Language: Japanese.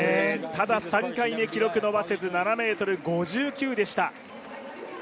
ただ３回目、記録伸ばせず７ｍ５９でした。